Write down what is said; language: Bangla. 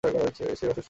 সেবা শুশ্রষা করলেন।